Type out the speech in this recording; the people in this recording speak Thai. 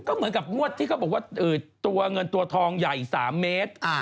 ก็เหมือนกับงวดที่เขาบอกว่าตัวเงินตัวทองใหญ่๓เมตร